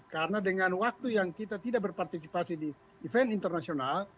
karena dengan waktu yang kita tidak berpartisipasi di event internasional